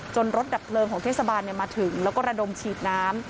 รถดับเพลิงของเทศบาลมาถึงแล้วก็ระดมฉีดน้ำ